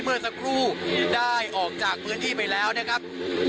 เมื่อสักครู่ได้ออกจากพื้นที่ไปแล้วนะครับ